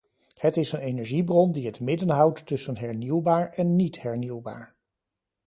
Het is een energiebron die het midden houdt tussen hernieuwbaar en niet hernieuwbaar.